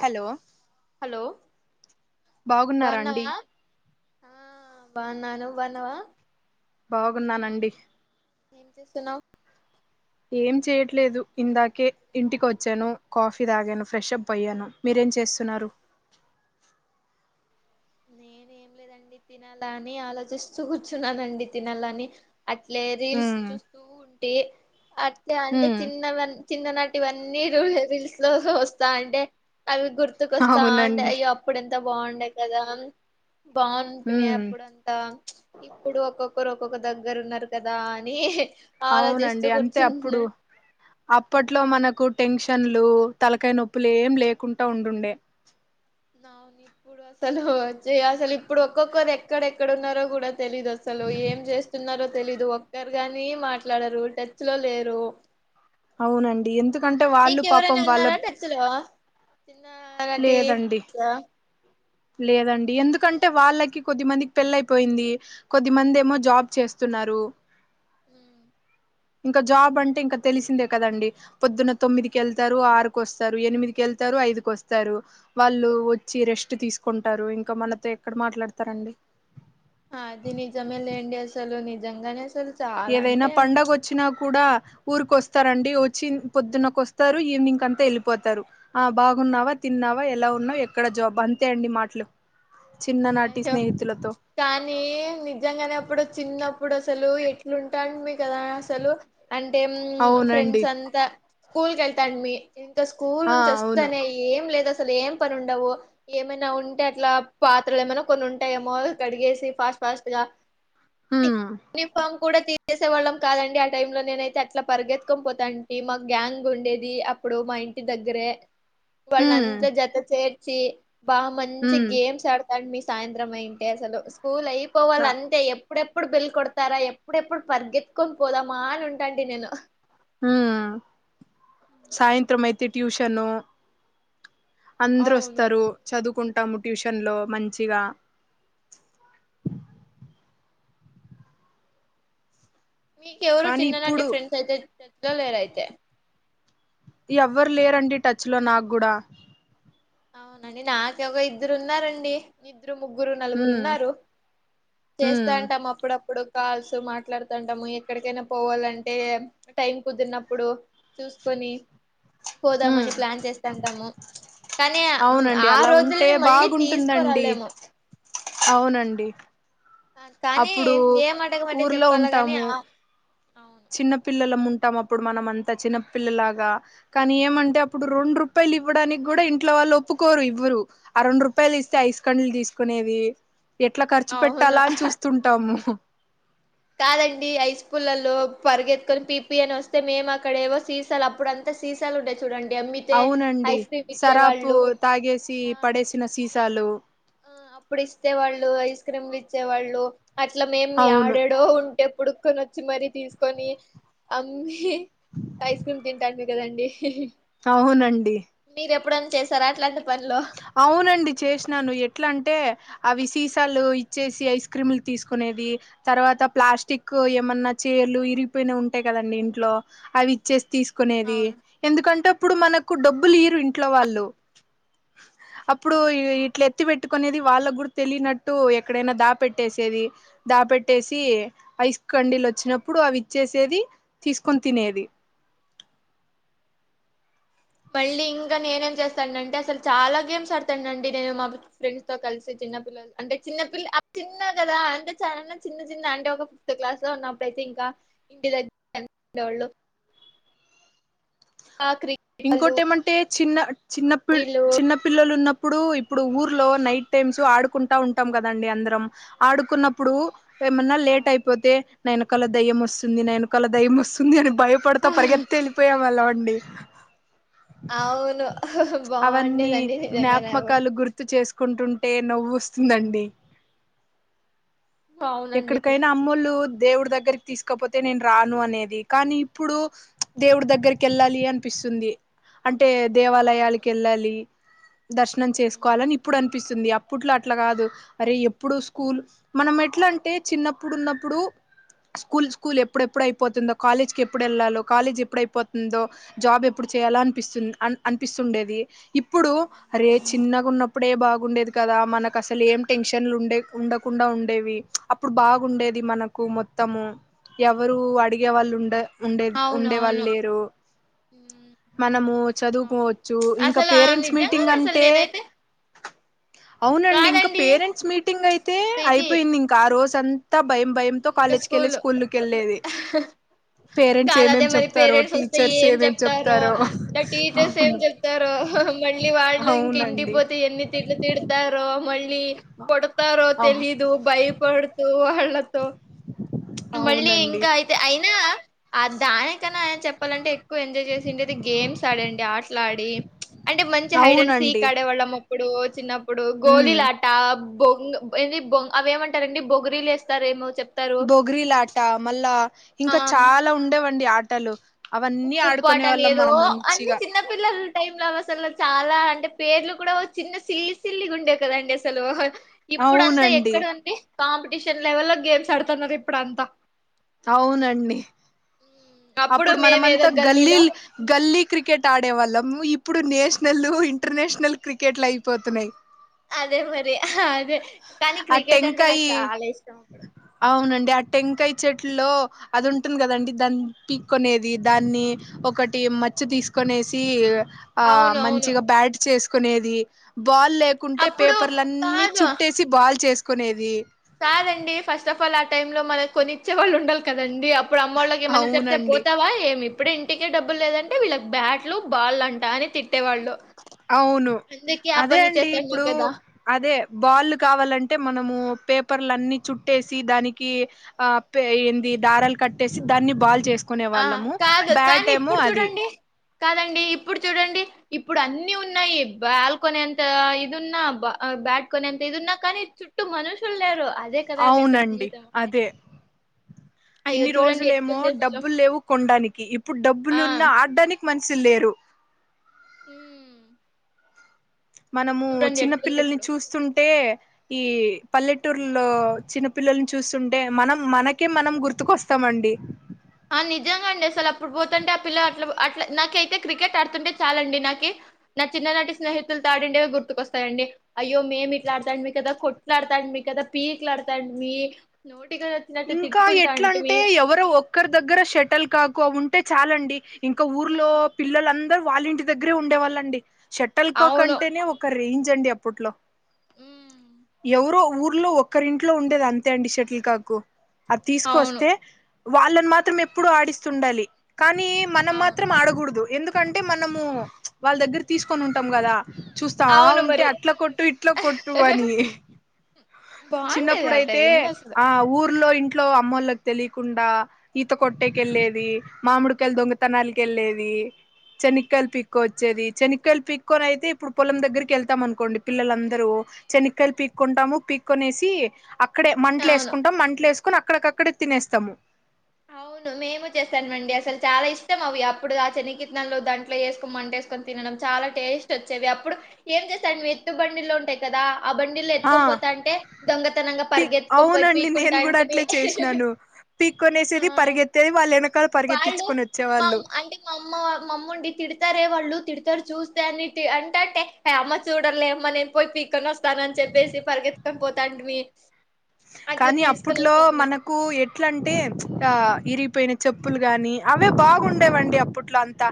Hello hello బాగున్నారా అండి బాగున్నావా ఆ బాగున్నా నుబాన్నావా బాగున్నానండి ఏం చేస్తున్నావు ఏం చేయట్లేదు ఇందాకే ఇంటికి వచ్చాను కాఫీ తాగాను ఫ్రెష్ప్ పోయాను మీరు ఏంచేస్తున్నారు నేనేం లేదండి తినాల అని ఆలోచిస్తూ కూర్చున్నానండి తినాల అని అట్లే రీల్స్ ఉమ్ చూస్తూ ఉంటే అట్ అంటే ఉమ్ చిన్నవ చిన్ననాటి ఇవన్నీ ర రిల్స్ లో వస్తా అంటే అవి గుర్తుకొస్తాం అవునండి అయ్యో అప్పుడు ఎంత బాగుండేయి కదా బాగుంటుంది ఉమ్ అప్పుడంతా ఇప్పుడు ఒక్కొక్కరు క్కొక్క దగ్గర ఉన్నారు కదా అని ఆలోచిస్తూ అవునండి అంతే అప్పుడు కూర్చుంటున్నా అప్పట్లో మనకు టెన్షన్లు తలకాయి నొప్పులు ఏం లేకుండా ఉంటుండే అవును ఇప్పుడు అసలు అసలు ఇప్పుడు ఒక్కొక్కరు ఎక్కడెక్కడన్నారో కూడా తెలీదు అసలు ఏం చేస్తున్నారో తెలీదు ఒక్కరుగాని మాట్లాడరు టచ్ లో లేరు అవునండి ఎందుకు నీకెవరైనా ఉన్నారా టచ్చలో చిన్న నటి లేదండి లేదండి ఎందుకంటే వాళ్ళకి కొద్ది మందికి పెళ్ళ అయిపోయింది కొద్దిమంది ఏమో జాబ్ చేస్తున్నారు హ ఇంకా జాబ్ అంటే ఇంకా తెలిసిందే కదండి పొద్దున్న తొమ్మిదికి వెళ్తారు ఆరుకు వస్తారు ఎనిమిదికి వెళ్త వెతారు ఐదుకు వస్తారు వాళ్ళు వచ్చి రెస్ట్ తీసుకుంటారు ఇంకా మనతో ఎక్కడ మాట్లాడతారండి ఆ అదినిజమే లేండిసలు నిజంగానే అసలు చాలా ఏదైనా అంటే పడుగ వచ్చినా కూడా ఊరిక వస్తారండి వచ్చి పొద్దున్నక వస్తారు ఈవినింగ్ కంతా వెళ్ళిపోతారు ఆ బాగు బాగున్నావా తిన్నావా ఎలా ఉన్నావు ఎక్కడ జాబ్ అంతే అండి మాటలు చిన్ననాటి అయ్యో స్నేహితులతో కానీ నిజంగానేప్పుడు చిన్నప్పుడు అసలు ఎట్లుంటాంట మీ కదా అసలు అంటే అవునండి ఫ్రెండ్స్ అంతా స్కూల్ కి వెళ్తాం మీ ఇంకా స్కూల్ ఆ నుంచి అవును వస్తేనే ఏం లేద అసలు ఏం పని ఉండవు ఏమైనా ఉంటే అట్లా పా ఇలు ఏమైన్నా కొన్ని ఉంటాయేమో కడిగేసి ఫాస్ట్ ఫాస్ట్ గా హ్మ్ యూనిఫామ్ కూడా తీనేసేవాళ్ళం కాదండి ఆ టైమ్ లో నేనైతే అట్లా పరిగెత్తుకొ పోతాంటి మాకు గ్యాంగ్ ఉండేది అ ప్పుడు మా ఇంటి దగ్గరే వాళ్ళన హ్మ్ అంతా జత చేర్చి బా మంచి హ్మ్ గేమ్స్ ఆడ తం మీ సాయంత్రం అయింటే అసలు స్కూల్ అయిపోవాలి ఆ అంతే ఎ ఎప్పుడెప్పుడు బెల్ కొడతారా ఎప్పుడెప్పుడు పరిగెత్తుకొని పోదామా అని ఉంటంటి నేను హ్మ్ సాయంత్ర అయితే ట్యూషను అందరు అవును వస్తారు చదువుకుంటాము ట్యూషన్ లో మంచిగా మీకెవరు కానీ చిన్ననాటి ఇప్పుడు ఫ్రెండ్స్ అయితే టచ్ లో లేరు అయితే ఎవ్వరు లేరండి టచ్ లో నాకూడా అవునండి నాకు ఎవరో ఇద్దరు ఉన్నారండి ఇద్దరు ముగ్గురు నలుగురు ఉమ్ ఉన్నారు చేస్తా ఉమ్ అంటాం అప్పుడప్పుడు కాల్స్ మాట్లాడుతంటాము ఎక్కడికైనా పోవాలంటే టైం కుదిరినప్పుడు చూసుకొని ఉమ్ పోదామని ప్లాన్ చేస్తాంటాము కానీ అవునండి ఆ అలా ఉంటే రోజుల్ని మళ్ళీ బాగుంటుందండి తీసుకురాలేము అవునండి కానీ అప్పుడు ఏం అడగమంటే ఊర్లో చెప్పాల గాని ఉంటాము ఆ చిన్నపిల్లలముంటాం అప్పుడు మనం అంత చిన్నపిల్లలాగా కానీ ఏమంటే అప్పుడు రెండు రూపాయ పాయలు ఇవ్వడానికి కూడా ఇంట్లో వాళ్ళు ఒప్పుకోరు ఇవ్వరు అరెండు రూపాయలు ఇస్తే ఐస్ కండలు తీసుకునేది ఎట్లా ఖర్చు అవును పెట్టాలా అని చూస్తుంటాము కాదండి ఐస్ పుల్లలు పరిగెత్కొని పీపి అని వస్తే మేము అక్కడ ఏవో సీసన్ అప్పుడుంతా సీసాలు ఉండాచు అవునండి సరాపు ఇచ్చేవాళ్ళు తాగేసి ఆ పడేసిన సీసాలు ఆ అప్పుడు ఇస్తే వాళ్ళు ఐస్ క్రీమ్లు ఇచ్చేవాళ్ళు అట్ల మేం అవును యడాడో ఉంటే బుడుకొని వచ్చి మరీ తీసుకొని అమ్మి ఐస్ క్రీమ్ తింటాంటిమి గదండి అవునండి ఎప్పుడన్న చేశారు అట్లాంట్ అవునండి చేసినాను ఎ ఎట్లా అంటే అవి సీసాలు ఇచ్చేసి ఐస్ క్రీమ్లు తీసుకునేది తర్వాత ప్లాస్టిక్ తో ఏమన్న చైర్లు ఇరిగిపోయినవి ఉంటాయి కదండి ఇంట్లో అవి ఇచ్చేసి తీస్ కోనేది అవును ఎందుకంటే అప్పుడు మనకు డబ్బులు ఇయ్యరు ఇంట్లో వాళ్ళు అప్పుడు ఇట్లా ఎత్తి పెట్ ట్టకునేది వాళ్ళ కూడా తెలినట్టు ఎక్కడైనా దా పెట్టేసేది దాపెట్టేసి ఐస్ కండీలు వచ్చినప్పుడు అవి ఇచ్చేసేది తీసుకొని తినేది మళ్ళీ ఇంకా నేనేం చేస్తాను అంటే అసలు చాలా గేమ్స్ ఆడతా అండి నేను మా ఫ్రెండ్స్ తో కలిసి చిన్న పిల్లలు అంటే చిన్నపిల్ల చిన్న కదా అంటే చాలా చిన్న చిన్న అంటే ఒక ఫిఫ్త్ క్లాస్ లో ఉన్నప్పుడయితే ఇంకా ఇంటి దెగ్గర ఉండేవోల్లు ఆకరి ఇంకోటి [unintelligible] ఏమంటే చిన్న చిన్నపిల్ చిన్న పిల్లలున్న ఇప్పుడు ఇప్పుడు ఊర్లో నైట్ టైమ్స్ ఆడుకుంటా ఉంటాం కదండి అందరం ఆడుకున్నప్పుడు ఏమన్నా లేట్ అయిపోతే నయనకాల దయ్య వస్తుంది నయనకాల దయ్య వస్తుంది అని భయపడతా పరిగెత్తి వెళ్ళిపోయే వాళ్ళం అండి అవును అవన్నీ బాగుండేదండి నిజంగానే జ్ఞాపకాలు గుర్తు చేసు కుంటుంటే నవ్వు వస్తుందండి అవునండి ఎక్కడికైనా అమ్మోలు దేవుడి దగ్గరికి తీసుకోపోతే నేను రాను అనేది కానీ ఇప్పుడు దేవుడి దగ్గరికి వెళ్ళాలి అనిపిస్ తుంది అంటే అవును దేవాలయాలకు వెళ్ళాలి దర్శనం చేసుకోవాలని ఇప్పుడు అనిపిస్తుంది అప్పట్లో అట్లా కాదు అరే ఎప్పుడు స్కూల్ మనం ఎట్లా అంటే చిన్నప్పుడు ఉన్నప్పుడు స్కూల్ స్కూల్ ఎప్పుడెప్పుడు అయిపోతుందో కాలేజ్ కి ఎప్పుడు వెళ్ళాలో కాలేజ్ ఎప్పుడైపోతుందో జాబ్ ఎ ఇప్పుడు చేయాల అనిపిస్తు అ అనిపిస్తుండేది ఇప్పుడు అరే చిన్నగా ఉన్నప్పుడే బాగుండేది కదా మనకు అసలు ఏం టెన్షన్లు ఉండే ఉండకుండా ఉండేవి అప్పుడు బాగుండేది మనకు మొం మొత్తము ఎవరు అడిగేవాళ్ళు ఉండే ఉండే ఉండేవాళ్ళు అవునవును లేరు అవును మనము అవును చదువుకోవచ్చు ఇంకా అసలు పేరెంట్స్ మీటింగ్ నిజంగానే అసలు అంటే నేనైతే అవునండి ఇంకా కాదండి పేరెంట్స్ మీటింగ్ అయితే ఇంకా ఇది అయిపోయింది, ఇంకా ఆ రోజు భయం భయంతో కాలేజ్కి వెళ్ళి స్కూల్ కి వెళ్ళలేది పేరెంట్స్ ఏమేం చెప్తారో టీచర్స్ ఏమేం చెప్తారు చెప్తారో నా టీచర్స్ ఏం అవును చెప్తారో మళ్ళీ వాళ్ళు ఇంక అవునండి ఇంటికిపోతే ఎన్ని తిట్లులు తిడతారో మళ్ళీ కొడతారో అవు తెలీదు భయపడుతూ అళ్ళతో మళ్ళీ అవునండి ఇంకా అయితే అయినా ఆ దాని కన్నా చెప్పాలంటే ఎక్కువ ఎంజాయ్ చేసిండేది గేమ్స్ ఆడండి ఆటలాడి అంటే మంచి హైడ్న్ సీక్ అవునండి ఆడేవాళ్ళం అప్పుడు చిన్నప్పుడు ఉమ్ గోలీలాట బొంగ ఏ బొ అవి ఏమంటారండి బొగరీలు వస్తారేమో చెప్ప బొగరిలాట మళ్ళా ఇంకా ఆ చాలా ఉండేవండి ఆటలు అవన్నీ ఉప్పు ఉప్పు ఆడుకునే ఆటని వాళ్ళం ఏదో మనం అన్ని మంచిగా చిన్నపిల్లలు టై లో అసలు చాలా అంటే పేర్లు కూడా చిన్న సిల్లి సిల్లిగా ఉండేవి కదండి అసలు ఇప్పుడంతా అవునండి ఎక్కడంటే కాంపిటీషన్ లెవెల్ లో గేమ్స్ ఆడుతున్నారు ఇప్పుడంతా అవునండి ఉమ్, అప్పుడు మేము ఏదో మనమంతా గల్లీలో గల్లీలు గల్లీ క్రికెట్ ఆడేవాళ్ళము ఇప్పు ఇప్పుడు నేషనల్ ఇంటర్నేషనల్ క్రికెట్లు అయిపోతున్నాయ్ అదే మరి అదే కానీ ఆ క్రికెట్ అంటే నాకు టెంకాయి చాలా ఇష్టం అవునండి ఆ టెంకాయ చెట్లో అది ఉంటుంది కదండి దాని పీక్కోనేది దాన్ని ఒకటి మచ్చ తీసుకొనేసి ఆ అవును అవును మంచిగా బ్యాట్ చేసుకునేది బాల్ లేకుంటే అప్పుడు పేపర్లన్నీ కాదు చుట్టేసి బాల్ చేసుకునేది కాదండి ఫస్ట్ ఫ్ల్ ఆ టైమ్ లో మనకి కొనిచ్చే వాళ్ళు ఉండాలి కదండి అప్పుడు అమ్మళ్ళకి ఏమన్నా చెప్తే అవునండి పోతావా ఏమి ఇప్పుడే ఇంటికే డబ్బు లేదంటే వీళ్ళకి బ్యాట్లు బాల్ అంటా అని తిట్ అవును ఆ అదే పనులు అండి చేస్తాండి ఇప్పుడు కదా అదే బాల్ కావాలంటే మనము పేప్ పర్లన్ని చుట్టేసి దానికి ఆ ఎంది దారాలు కట్టేసి దాన్ని బాల్ చేసు ఆ కాదు కానీ ఇప్పుడు చూడండి కాదండి ఇప్పుడు చూడండి ఇప్పుడు అన్ని ఉన్నాయి బాల్కొనే అంత ఇది ఉన్నా బాట్కొనేంత ఇది ఉన్నా కానీ చుట్టూ మనుషులు లేరు అదే కదండి అసలు అవునండి జీవితం అంటే అదే అయ్యో ఇన్ని చూడండి రోజులేమో ఎట్లుంది అసలు డబ్బులు లేవు కొనడానికి ఇప్పుడు ఆ డబ్బులున్న ఆడడానికి మనుషులు లేరు మ్ మనము చిన్న పిల్లల్ని ఇప్పుడు చూస్తు అంటే ఈ పల్లెటూర్లో చిన్నపిల్లని చూస్తుంటే మనం మనకే మనం గుర్తు ఎత్తు కోస్తామండి ఆ నిజంగా అండి అసలు అప్పుడు పోతుంటే ఆ పిల్ల అట్ల అట్లా నాకైతే క్రికెట్ ఆడుతుంటే చాలండి నాకి నా చిన్ననాటి స్నేహితులు తాడిండే గుర్తుకొస్తాయండి. అయ్యో మేము ఇట్లాడతాం మీకు గదా కొట్లాడతాండి మీ కదా పీక్ లాడతాం మీ నో ఇంకా ఎట్లా అంటే ఎవరు ఒక్కరి దగ్గర షటల్ కాకో ఉంటే చాలండి. ఇంకా ఊర్లో మ్మ్ పిల్లలందరూ వాళ్ళ ఇంటి దగ్గరే ఉండేవాళ్ళండి. షటల్ కాక్ అవును అంటేనే ఒక రేంజ్ అండి అప్పట్లో మ్మ్ ఎవరో ఊర్లో ఒక్కరింట్లో ఉండేది అంతే అండి షటిల్ కాకు అది అవును తీసుకొస్తే వాళ్ళని మాత్రం ఎప్పుడు ఆడిస్తుండాలి కానీ మనం అవును మాత్రం ఆడకూడదు, ఎందుకంటే మనము వాళ్ళ దగ్గర తీసుకొని ఉంటాం గదా చూస్తా ఆ అవును ఉంటే మరి అట్ల కొట్టు ఇట్ల కొట్టు అని బాగుండేది ఆ చిన్నప్పుడైతే టైం లో అసలు ఆ ఊరు ఊర్లో ఇంట్లో అమ్మోళ్లకు తెలియకుండా ఈత కొట్టేెళ్ళేది మామిడికాయలు దొంగతనానికెళ్లే ళ్లేది చెనిక్కయలు పిక్కు వచ్చేది శనక్కయలు పిక్కో అయితే ఇప్పుడు పొలం దగ్గరికి వెళ్తాం అనుకోండి పిల్లలందరము చెనక్కాయలు పీక్కుంటాము పీక్ కొనేసి అక్కడే మంటలు అవును వేసుకుంటాం మంటలు వేసుకొని అక్కడికక్కడే తినేస్తాము అవును మేము చేస్తానమండి అసలు చాలా ఇష్టం అవి అప్పుడు ఆ శన్న కత్నలు దంట్లో వేసుకొ మంట వేసుకొని తినడం చాలా టేస్ట్ వచ్చేవి అప్పుడు ఏం చేస్తాడు ఎత్తు బండిల్లో ఉంటాయి కదా ఆ బండిలు ఆ ఎత్తుకొని పోతా అంటే దొంగతనంగా పరిగ పీక్ ఎత్తుకొని పీకుంటా ఉంటిమి పీకొనేసేది పరిగెత్తేేది వాళ్ళు వెనకాల వాళ్ళు పరిగెత్తించుకొని మా వచ్చేవాళ్ళు అమ్మ- అంటే మా అమ్మ మా అమ్ముండి తిడతారే వాళ్ళు తిడతారు చూస్తే అని అంట అంటే అమ్మ చూడలే అమ్మ నేను పోయి పీక్కోని వస్తాను నని చెప్పేసి పరిగెత్తుకొని పోతాంటిమి అట్లా కానీ తీసుకొని అప్పుట్లో వస్తాండి మనకు ఎట్లాంటే ఆ విరిగిపోయిన చెప్పులు గాని అవే బాగుండేవండి అప్పట్లో అంతా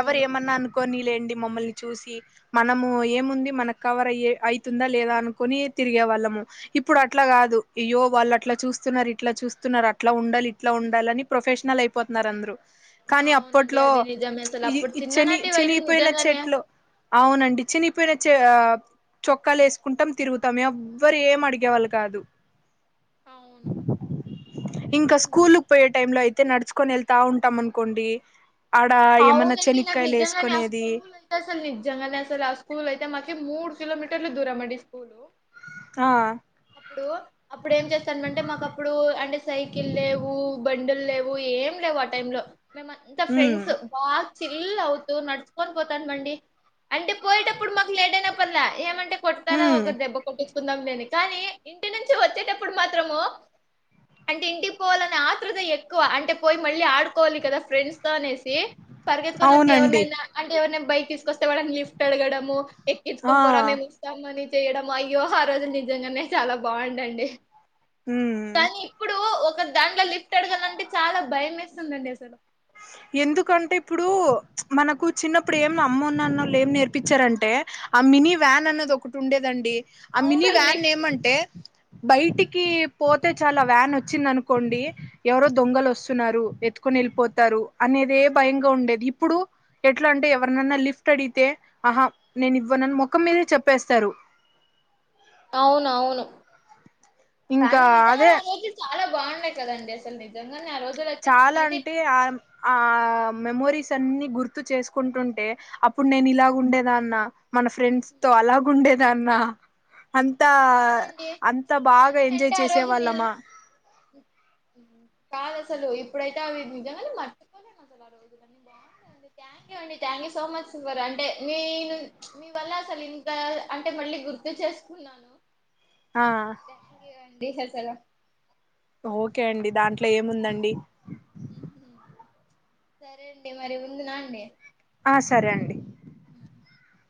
ఎవరు ఏమన్నా అనుకోని లెండి మమ్మల్ని చూసి మనము ఏముంది మనకు కవర్ అవుతుందా లేదా అనుకుని తి వాళ్ళము ఇప్పుడు అట్లా కాదు అయ్యో వాళ్ళు అట్లా చూస్తున్నారు ఇట్లా చూస్తున్నారు అట్లా ఉండాలి ఇట్లా ఉండాలి అని ప్రొఫెషనల్ అయిపోతున్నారు అందరు కానీ అవునండి అప్పట్లో అదే నిజమే అసలు ఈ అప్పుడు శని చిన్ననాటివయితే చనిగిపోయిన నిజంగానే చెట్లు అవునండి చినిగిపోయిన చొక్కాలు వేసుకుంటాం తిరుగుతాం ఎవ్వరు ఏం అడి గేవాళ్లు కాదు అవును ఇంకా ఉమ్. స్కూల్కి పోయే టైమ్ లో అయితే నడుచుకొని వెళ్తా ఉంటాం అనుకోండి. ఆడ ఏమన్నా అవునండి నాకు చెనిక్కాయలు నిజంగానే ఆ వేసుకునేది స్కూల్ అయితే అసలు నిజంగానే అసలు ఆ స్కూల్ అయితే మా మూడు కిలోమీటర్లు దూర మండి స్కూలు ఆ అప్పుడు అప్పుడు ఏం చేస్తామంటే మాకు అప్పుడు అంటే సైకిల్ లేవు బండ లేవు ఏం లేవు ఆ టైంలో మేమంతా ఉమ్ ఫ్రెండ్స్ బాగా చిల్ అవుతు నడుచుకొని పోతామండి అంటే పోయేటప్పుడు మాకు లేట్ అయిన పర్లా ఏమంటే కొడతారా ఉమ్ ఒక దెబ్బ కొట్ట కుందాం నేను కానీ ఇంటి నుంచి వచ్చేటప్పుడు మాత్రము అంటే ఇంటికి పోవాలనే ఆతృత ఎక్కువ అంటే పోయి మళ్ళీ ఆడుకోవాలి కదా ఫ్రెండ్స్ తో అని పరిగెత్తుకొని వచ్చి అవునండి ఎవరినైనా అంటే ఎవరినైనా బైక్ తీసుకొస్తే వాళ్ళని లిఫ్ట్ అడగడము ఆ ఎక్కించుకొని పోరా మేము ఇస్తాంమని చేయడం అయ్యో ఆ రోజులు నిజంగానే చాలా బాగుండండి. ఉమ్ కానీ ఇప్పుడు ఒక ఒక దాంట్లో లిఫ్ట్ అడగాలంటే చాలా భయం వేస్తుందండి అసలు ఎందుకంటే ఇప్పుడు మనకు చిన్నప్పుడు ఏం అమ్మానాన్న వాళ్ళు ఏం నేర్పించారంటే ఆ మినీ వ్యాన్ అనేది ఒకటి ఉండేదండి ఆ మినీ అవునండి. వ్యాన్ ఏమంటే బయటికి పోతే చాలా వ్యాన్ వచ్చింది అనుకోండి ఎవరో దొంగలు వస్తున్నారు ఎత్తు ఎత్తుకుని వెళ్ళిపోతారు అనేదే భయంగా ఉండేది ఇప్పుడు ఎట్లా అంటే ఎవరినైన లిఫ్ట్ అడిగితే ఆహా నేను ఇవ్వను మోఖం మీదే చెప్పేస్తారు అవునవును ఇంకా కానీ నిజంగానే అదే ఆ రోజు చాలా బాగుండె కదండి అసలు నిజంగానే ఆ రోజులైతే చాలా నన్నైతే అంటే ఇప్పుడు ఆ కూడా ఆ మెమోరీస్ అన్ని గుర్తు చేసుకుంటుంటే అప్పుడు నేను ఇలా ఉండేదాన్నా మన ఫ్రెండ్స్ తో ఉమ్, అలాగుండేదాన్న అంతా కాదండి అంతా బాగా నిజంగానే ఎంజాయ్ అంటే ఆ చేసే రోజులు వాళ్ళమా కాదు అసలు ఇప్పుడైతే అవి నిజంగానే మర్చిపోలేము అసలు ఆ రోజులన్నీ బాగుండండి థ్యాంక్ యూ అండి thank you so much your అంటే మీ మీ వల్ల అసలు ఇంకా అంటే మళ్ళీ గుర్తు చేసుకున్నాను ఆ థ్యాంక్ యూ అండి సరి సరేరా ఓకే అండి దాంట్లో ఏముందండి సరే అండి మరి వుందు నా అండి ఆ సరే అండి ఉ